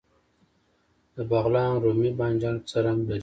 د بغلان رومي بانجان څه رنګ لري؟